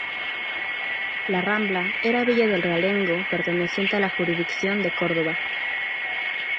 La Rambla era villa de realengo perteneciente a la jurisdicción de Córdoba.